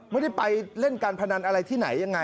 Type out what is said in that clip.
ไม่ได้ไปเล่นการพนันอะไรที่ไหนยังไง